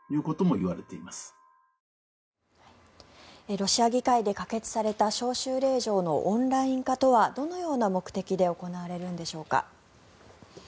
ロシア議会で可決された招集令状のオンライン化とはどのような目的で行われるのでしょうか。